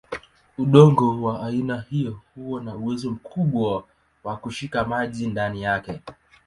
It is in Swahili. Udongo wa aina hiyo huwa na uwezo mkubwa wa kushika maji ndani yake.